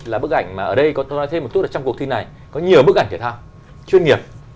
là bức ảnh mà ở đây tôi nói thêm một chút là trong cuộc thi này có nhiều bức ảnh thể thao chuyên nghiệp